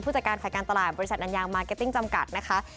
จากการขายการตลาดบริษัทอันยางมาร์เก็ตติ้งจำกัดนะคะ